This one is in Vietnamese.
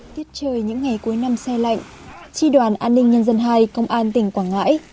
tiết trời những ngày cuối năm xe lạnh tri đoàn an ninh nhân dân hai công an tỉnh quảng ngãi